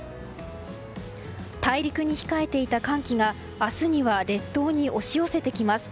大陸に控えていた寒気が明日には列島に押し寄せてきます。